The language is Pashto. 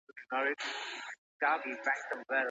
طبیعي درمل زیان نه رسوي.